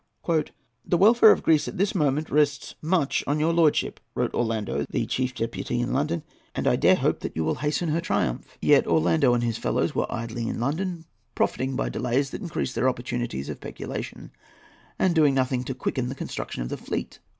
"The welfare of Greece at this moment rests much on your lordship," wrote Orlando, the chief deputy in London, "and I dare hope that you will hasten her triumph:" yet Orlando and his fellows were idling in London, profiting by delays that increased their opportunities of peculation, and doing nothing to quicken the construction of the fleet.